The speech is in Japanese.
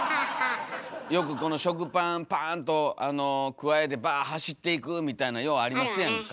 よく食パンパーンとくわえてバーッ走っていくみたいなんようありますやんか。